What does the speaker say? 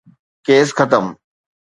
Case ختم.